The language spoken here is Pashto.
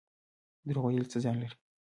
دروغ ویل څه زیان لري؟